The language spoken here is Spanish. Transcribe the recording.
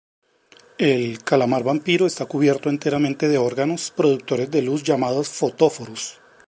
El calamar vampiro está cubierto enteramente de órganos productores de luz llamados fotóforos.